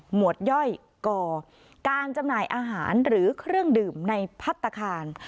หวดย่อยก่อการจำหน่ายอาหารหรือเครื่องดื่มในพัฒนาคาร